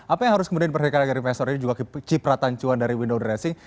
apa yang harus diperhatikan dari investor ini juga cipratancuan dari window dressing